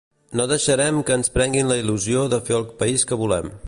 No deixarem que ens prenguin la il·lusió de fer el país que volem.